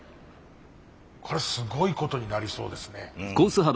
これすごいことになりそうですね。